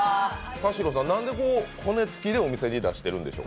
なんで骨付きでお店で出しているんでしょう？